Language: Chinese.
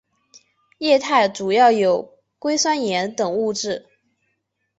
液态主要有硅酸盐等物质。